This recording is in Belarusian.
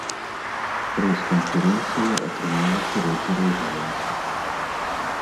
Прэс-канферэнцыя атрымала шырокі розгалас.